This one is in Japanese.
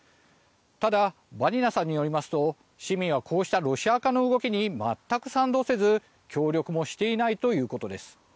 ただ、バニナさんによりますと市民はこうしたロシア化の動きに全く賛同せず協力もしていないということです。